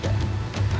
udah ketemu rena